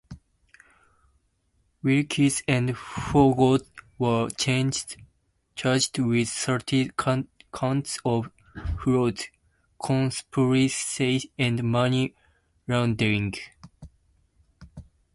Wilkes and Foggo were charged with thirty counts of fraud, conspiracy and money laundering.